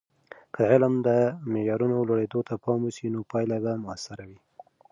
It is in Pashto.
که د علم د معیارونو لوړیدو ته پام وسي، نو پایلې به موثرې وي.